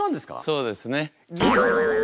そうですね。